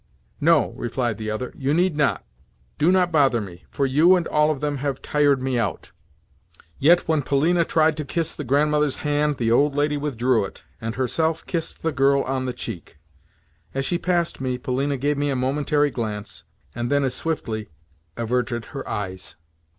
"No," replied the other; "you need not. Do not bother me, for you and all of them have tired me out." Yet when Polina tried to kiss the Grandmother's hand, the old lady withdrew it, and herself kissed the girl on the cheek. As she passed me, Polina gave me a momentary glance, and then as swiftly averted her eyes.